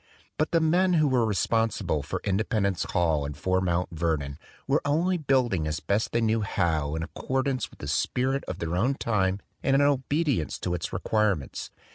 But the men who were responsible for Independence Hall and for Mount Vernon were only building as best they knew how in accordance with the spirit of their own time 53 THE DWELLING OF A DAY DREAM and in obedience to its requirements.